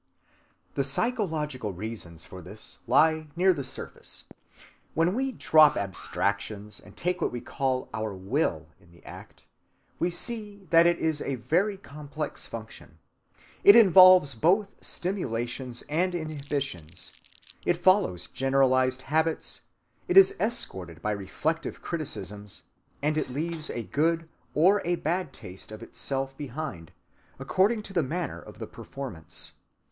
The psychological reasons for this lie near the surface. When we drop abstractions and take what we call our will in the act, we see that it is a very complex function. It involves both stimulations and inhibitions; it follows generalized habits; it is escorted by reflective criticisms; and it leaves a good or a bad taste of itself behind, according to the manner of the performance.